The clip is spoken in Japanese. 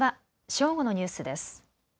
正午のニュースです。